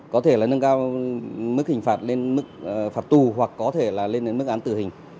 có thể là nâng cao mức hình phạt lên mức phạt tù hoặc có thể là lên đến mức án tử hình